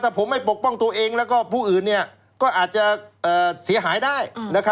ผมไม่ปกป้องตัวเองแล้วก็ผู้อื่นก็อาจจะเสียหายได้